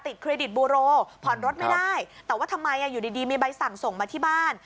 เครดิตบูโรผ่อนรถไม่ได้แต่ว่าทำไมอยู่ดีมีใบสั่งส่งมาที่บ้าน